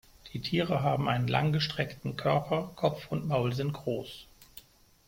Die Tiere haben einen langgestreckten Körper, Kopf und Maul sind groß.